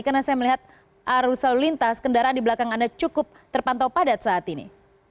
karena saya melihat arus lintas kendaraan di belakang anda cukup terpantau padat saat ini